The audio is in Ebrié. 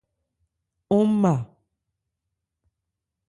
Ɔ́n ma.